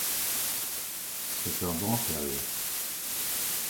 C'est un bancal.